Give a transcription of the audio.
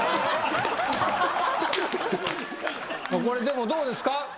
これでもどうですか？